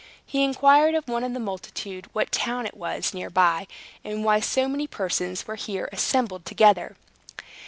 He inquired of one of the multitude what town it was near by, and why so many persons were here assembled together.